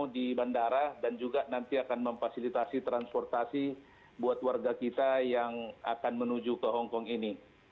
dan juga nanti akan memfasilitasi transportasi buat warga kita yang akan menuju ke hongkong ini